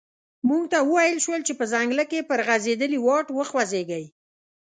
موږ ته و ویل شول چې په ځنګله کې پر غزیدلي واټ وخوځیږئ.